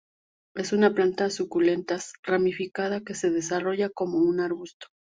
Es una planta suculentas ramificada que se desarrolla como un arbusto.